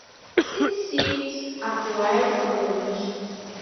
Its seeds are bright orange.